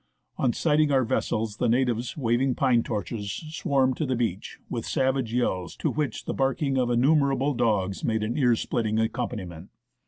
On sighting our vessels the natives, waving pine torches, swarmed to the beach, with savage yells, to which the barking of innumerable dogs made an ear splitting accompaniment.